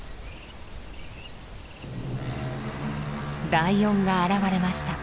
ライオンが現れました。